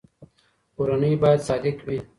کورنۍ باید صادق وي.